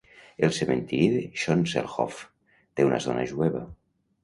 El cementiri d'Schoonselhof té una zona jueva.